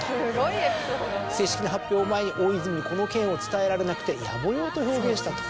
正式な発表前に大泉にこの件を伝えられなくて「野暮用」と表現したと。